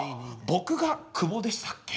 僕が久保でしたっけ？